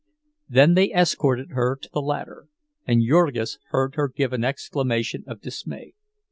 Then they escorted her to the ladder, and Jurgis heard her give an exclamation of dismay.